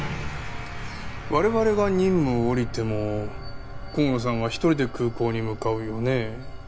我々が任務を下りても河野さんは１人で空港に向かうよね？